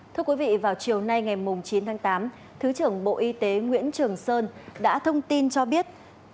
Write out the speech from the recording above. thưa quý vị vào chiều nay ngày chín tháng tám thứ trưởng bộ y tế nguyễn trường sơn đã thông tin cho biết